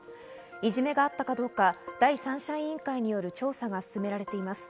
いじめがあったかどうか第三者委員会による調査が進められています。